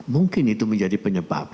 mungkin itu menjadi penyebab